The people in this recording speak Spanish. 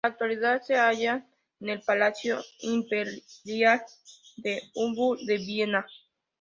En la actualidad se hallan en el Palacio Imperial de Hofburg de Viena.